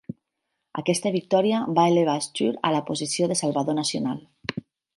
Aquesta victòria va elevar Sture a la posició de salvador nacional.